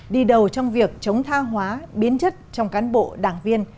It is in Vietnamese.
đi đầu trong việc chống tha hóa biến chất trong cán bộ đảng viên